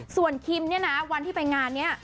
ส่วนคิมเนี่ยนะวันที่ไปงานนี้